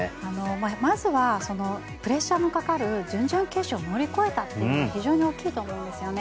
まずはプレッシャーのかかる準々決勝を乗り越えたというのが非常に大きいと思うんですよね。